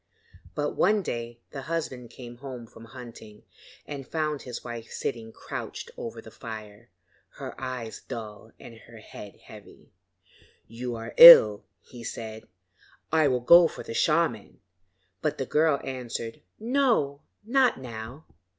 But one day the husband came home from hunting and found his wife sitting crouched over the fire her eyes dull and her head heavy. 'You are ill,' he said, 'I will go for the shaman,' but the girl answered: 'No, not now.